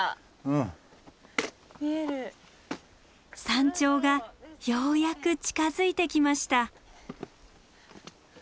山頂がようやく近づいてきました。